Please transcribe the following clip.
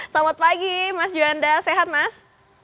selamat pagi mas juanda sehat mas